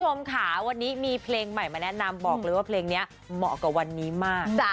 คุณผู้ชมค่ะวันนี้มีเพลงใหม่มาแนะนำบอกเลยว่าเพลงนี้เหมาะกับวันนี้มาก